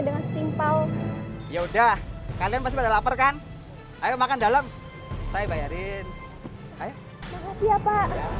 dengan setimpal yaudah kalian pasti lapar kan ayo makan dalam saya bayarin ayo siapa